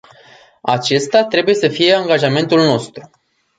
Acesta trebuie să fie angajamentul nostru.